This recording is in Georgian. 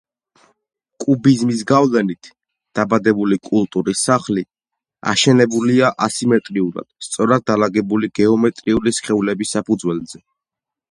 კუბიზმის გავლენით დაბადებული კულტურის სახლი, აშენებულია ასიმეტრიულად სწორად დალაგებული გეომეტრიული სხეულების საფუძველზე.